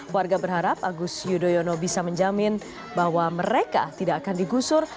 warga berharap agus yudhoyono bisa menjamin bahwa mereka tidak akan digusur